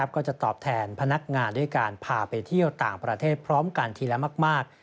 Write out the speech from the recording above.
ก็จะตอบแทนพนักงานด้วยการพาไปเที่ยวต่างประเทศพร้อมกันทีละมาก